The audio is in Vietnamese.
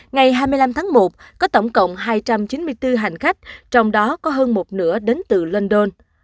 ngày hai mươi năm tháng một có tổng cộng hai trăm chín mươi bốn hành khách trong đó có hơn một nửa đến từ london